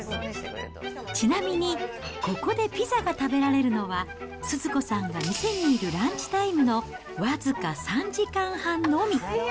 ちなみに、ここでピザが食べられるのは、スズ子さんが店にいるランチタイムの僅か３時間半のみ。